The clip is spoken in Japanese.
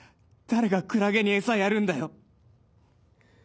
誰がくらげに餌やるんだよ？